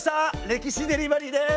歴史デリバリーです！